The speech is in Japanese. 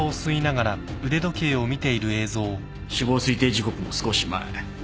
死亡推定時刻の少し前。